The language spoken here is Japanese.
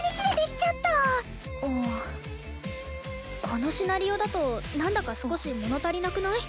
このシナリオだとなんだか少し物足りなくない？